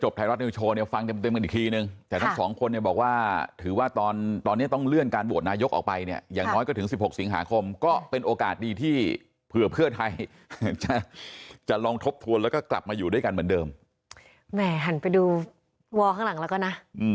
แบบนี้มันเป็นรองเยอะ